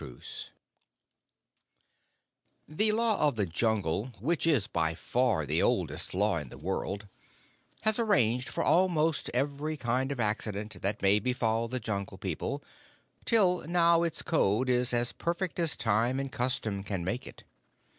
_ HOW FEAR CAME The Law of the Jungle which is by far the oldest law in the world has arranged for almost every kind of accident that may befall the Jungle People, till now its code is as perfect as time and custom can make it.